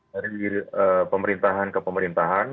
dari pemerintahan ke pemerintahan